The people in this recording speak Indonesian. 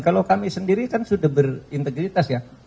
kalau kami sendiri kan sudah berintegritas ya